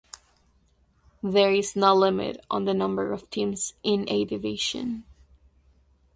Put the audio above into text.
There is no limit on the number of teams in a division.